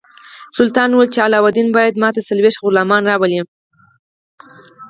سلطان وویل چې علاوالدین باید ماته څلوېښت غلامان راولي.